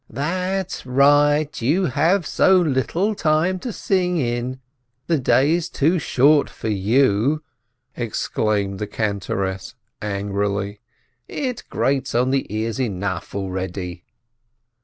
"That's right, you have so little time to sing in ! The day is too short for you!" exclaimed the cantoress, angrily. "It grates on the ears enough already